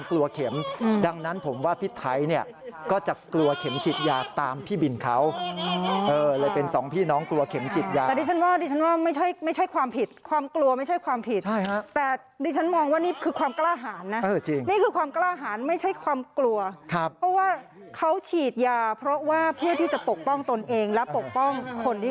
ขอบคุณพี่ไทยที่ขอบคุณพี่ไทยที่ขอบคุณพี่ไทยที่ขอบคุณพี่ไทยที่ขอบคุณพี่ไทยที่ขอบคุณพี่ไทยที่ขอบคุณพี่ไทยที่ขอบคุณพี่ไทยที่ขอบคุณพี่ไทยที่ขอบคุณพี่ไทยที่ขอบคุณพี่ไทยที่ขอบคุณพี่ไทยที่ขอบคุณพี่ไทยที่ขอบคุณพี่ไทยที่ขอบคุณพี่ไทยที่ขอบคุณพี่ไทยที่ขอบคุณพี่ไทยที่